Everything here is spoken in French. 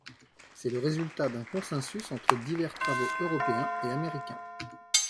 C'est le résultat d'un consensus entre divers travaux européens et américains.